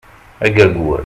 Agergur